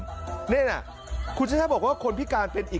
นะเนี่ยคุณชชาติบอกว่าคนพิการเป็นอีกกลุ่มที่ต้องดูแล